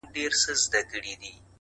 زما هيله زما د وجود هر رگ کي بهېږي”